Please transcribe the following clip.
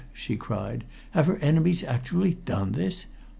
she cried. "Have her enemies actually done this?